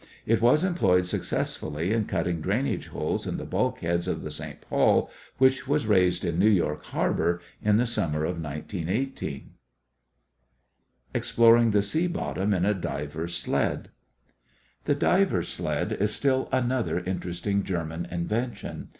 It was employed successfully in cutting drainage holes in the bulkheads of the St. Paul, which was raised in New York Harbor in the summer of 1918. EXPLORING THE SEA BOTTOM IN A DIVER'S SLED The diver's sled is still another interesting German invention.